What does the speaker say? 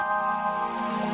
kau sudah tahu